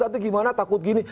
nanti gimana takut gini